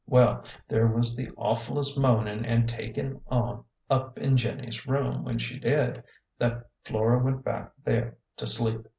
Well, there was the awfulest moanin' an' takin' on up in Jenny's room, when she did, that Flora went back there to sleep."